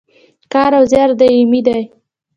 کار او زیار دایمي دی